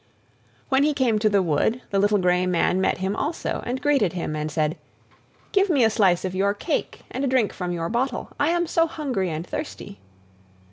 When he came to the wood the little grey man met him also, and greeted him, and said: "Give me a slice of your cake and a drink from your bottle; I am so hungry and thirsty."